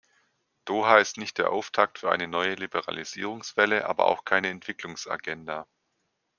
Doha ist nicht der Auftakt für eine neue Liberalisierungswelle, aber auch keine Entwicklungsagenda.